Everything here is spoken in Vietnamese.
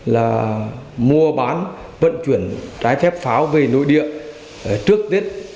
là mua bán vận chuyển trái phép pháo về nội địa trước tết